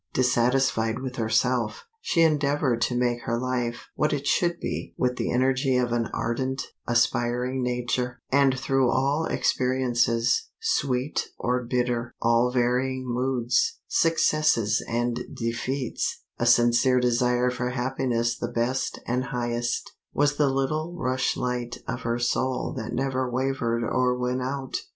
Dissatisfied with herself, she endeavored to make her life what it should be with the energy of an ardent, aspiring nature; and through all experiences, sweet or bitter, all varying moods, successes and defeats, a sincere desire for happiness the best and highest, was the little rushlight of her soul that never wavered or went out.